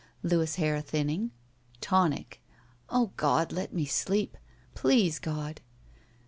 Louis' hair thinning. Tonic. O God! let me sleep I Please, God